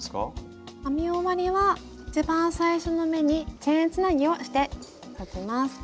編み終わりは一番最初の目にチェーンつなぎをしておきます。